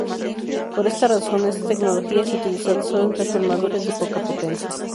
Por esta razón, esta tecnología es utilizada sólo en transformadores de poca potencia.